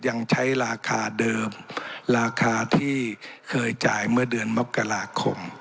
ยังใช้ราคาเดิมราคาที่เคยจ่ายเมื่อเดือนมกราคม